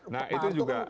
nah itu juga